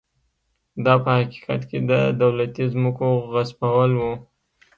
دا په حقیقت کې د دولتي ځمکو غصبول و.